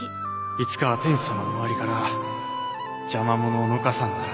いつかは天子様の周りから邪魔者をのかさんならん。